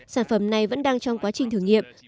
sản phẩm này vẫn đang trong quá trình thử nghiệm